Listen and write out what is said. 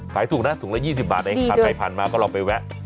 ขายถูกนะถุงละ๒๐บาทเองผ่านไปผ่านมาก็ลองไปแวะ